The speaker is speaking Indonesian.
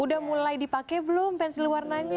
udah mulai dipakai belum pensil warnanya